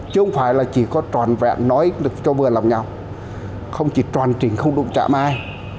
chứ không phải là chỉ có tròn vẹn nói được cho vừa lòng nhau không chỉ tròn trình không đụng chạm mai